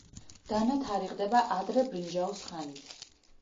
დანა თარიღდება ადრე ბრინჯაოს ხანით.